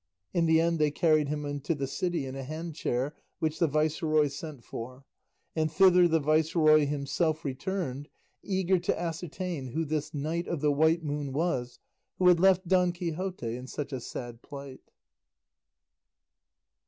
In the end they carried him into the city in a hand chair which the viceroy sent for, and thither the viceroy himself returned, eager to ascertain who this Knight of the White Moon was who had left Don Quixote in such a sad plight.